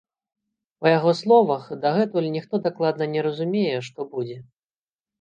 Па яго словах, дагэтуль ніхто дакладна не разумее, што будзе.